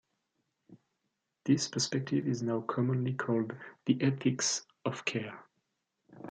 This perspective is now commonly called the ethics of care.